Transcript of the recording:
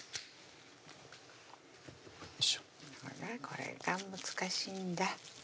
これが難しいんだ